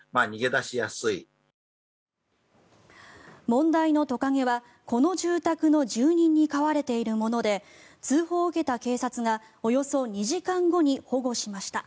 問題のトカゲはこの住宅に住人に飼われているもので通報を受けた警察がおよそ２時間後に保護しました。